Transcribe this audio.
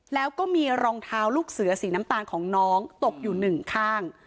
แล้วก็มีรองเท้าลูกเสือสีน้ำตาลของน้องตกอยู่หนึ่งข้าง